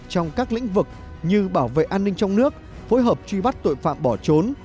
trong các lĩnh vực như bảo vệ an ninh trong nước phối hợp truy bắt tội phạm bỏ trốn